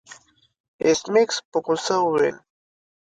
ایس میکس په غوسه وویل